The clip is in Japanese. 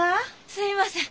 すいません。